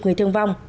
người thương vong